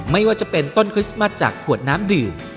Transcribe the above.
ไม่ว่าจะเป็นต้นคริสต์มัสจากขวดน้ำดื่ม